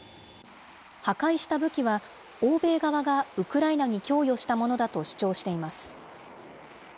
破壊した武器は、欧米側がウクライナに供与したものだと主張しています。